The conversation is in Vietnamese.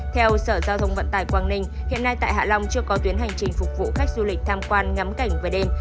theo sở giao thông vận tải quảng ninh hiện nay tại hạ long chưa có tuyến hành trình phục vụ khách du lịch tham quan ngắm cảnh về đêm